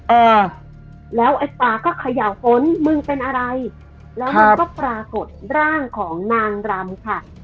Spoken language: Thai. เออแล้วไอ้ปลาก็เขย่าฝนมึงเป็นอะไรแล้วมันก็ปรากฏร่างของนางรำค่ะ